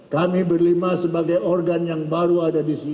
kami berlima sebagai organ yang baru ada di sini